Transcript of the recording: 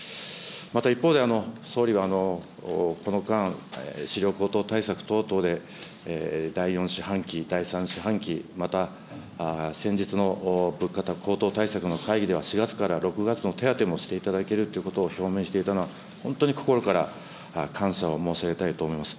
また一方で、総理はこの間、飼料高騰対策等々で、第４四半期、第３四半期、また先日の物価高騰対策の会議では４月から、６月の手当もしていただけるということを表明していたのは、本当に心から感謝を申し上げたいと思います。